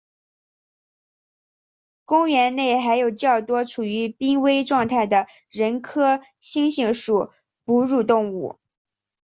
公园内还有较多处于濒危状态的人科猩猩属哺乳动物。